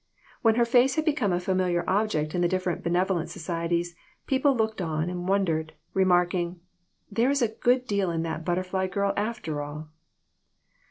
When her face had become a familiar object in the different benevolent societies, people looked on and wondered, remarking " There is a good deal in that butterfly girl, after all."